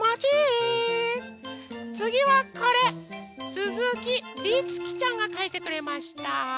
すずきりつきちゃんがかいてくれました。